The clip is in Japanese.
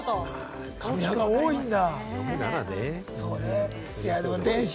紙派が多いんだ。